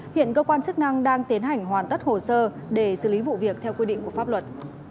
hiện cơ quan chức năng đang tiến hành hoàn tất hồ sơ để xử lý vụ việc theo quy định của pháp luật